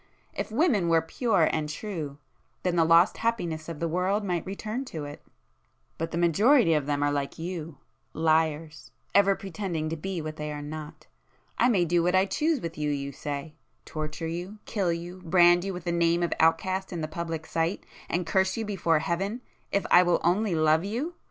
If women were pure and true, then the lost happiness of the world might return to it,—but the majority of them are like you, liars, ever pretending to be what they are not. I may do what I choose with you, you say? torture you, kill you, brand you with the name of outcast in the public sight, and curse you before Heaven—if I will only love you!